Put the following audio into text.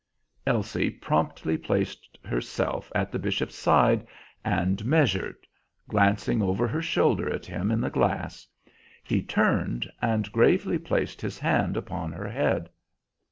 Elsie promptly placed herself at the bishop's side and "measured," glancing over her shoulder at him in the glass. He turned and gravely placed his hand upon her head.